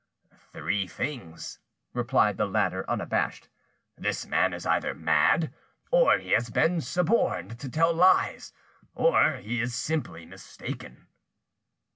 "Three things," replied the latter, unabashed, "this man is either mad, or he has been suborned to tell lies, or he is simply mistaken."